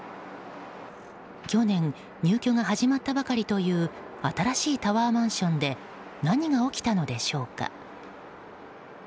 去年、入居が始まったばかりという新しいタワーマンションで何が起きたのでしょうか。